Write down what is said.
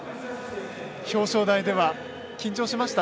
表彰台では緊張しました？